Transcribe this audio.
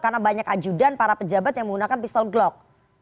karena banyak ajudan para pejabat yang menggunakan pistol glock